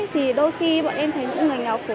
thì đôi khi bọn em thấy những người nào khổ